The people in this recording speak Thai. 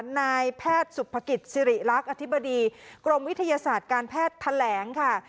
นายแพทย์สุภกิจสิริรักษ์อธิบดีกรมวิทยาศาสตร์การแพทย์แถลงค่ะ